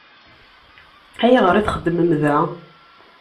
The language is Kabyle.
Ayɣer i txeddmem da?